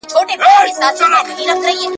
ګیله من له خپل څښتنه له انسان سو !.